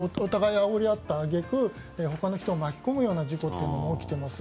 これ、こういうふうにお互いにあおり合った揚げ句ほかの人を巻き込むような事故も起きています。